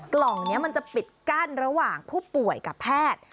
กล่องนี้มันจะปิดกั้นระหว่างผู้ป่วยกับแพทย์